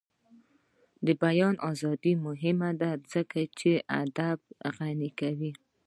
د بیان ازادي مهمه ده ځکه چې ادب غني کوي.